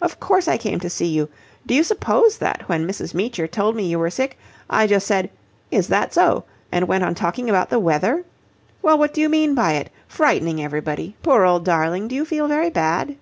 "Of course I came to see you. Do you suppose that, when Mrs. Meecher told me you were sick, I just said 'Is that so?' and went on talking about the weather? Well, what do you mean by it? Frightening everybody. Poor old darling, do you feel very bad?"